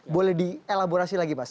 boleh di elaborasi lagi mas nir